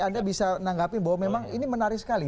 anda bisa menanggapi bahwa memang ini menarik sekali